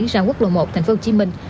rao quốc lộ một thành phố hồ chí minh